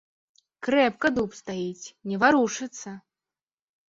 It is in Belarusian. Крэпка дуб стаіць, не варушыцца!